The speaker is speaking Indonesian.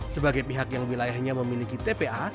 sebagai pihak yang wilayahnya memiliki tpa